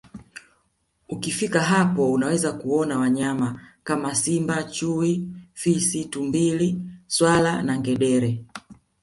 Ukifika hapo unaweza kuona wanyama kama Simba Chui Fisi Tumbili swala na ngedele